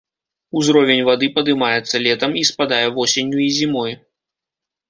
Узровень вады падымаецца летам, і спадае восенню і зімой.